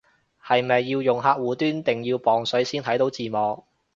係咪要用客戶端定要磅水先睇到字幕